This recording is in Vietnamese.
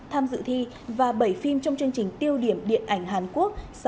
tham dự thi và bảy phim trong chương trình tiêu điểm điện ảnh hàn quốc